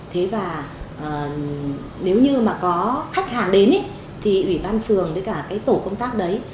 thế và nếu như mà có khách hàng đến thì ủy ban phường với cả cái tổ công tác đấy